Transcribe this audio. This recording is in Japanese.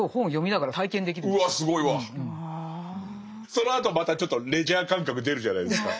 そのあとまたちょっとレジャー感覚出るじゃないですか。